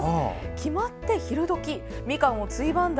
決まって昼時みかんをついばんだ